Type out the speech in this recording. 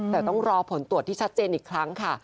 แต่ต้องรอผลตรวจที่ชัดเจนอีกครั้งค่ะ